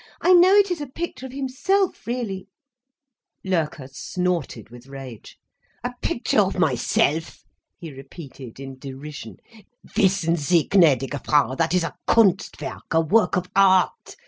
I know it is a picture of himself, really—" Loerke snorted with rage. "A picture of myself!" he repeated, in derision. "Wissen sie, gnädige Frau, that is a Kunstwerk, a work of art.